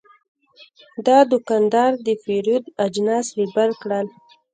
دا دوکاندار د پیرود اجناس لیبل کړل.